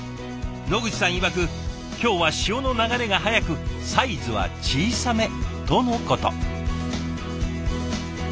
野口さんいわく今日は潮の流れが速くサイズは小さめとのこと。